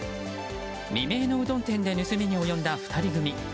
未明のうどん店で盗みに及んだ２人組。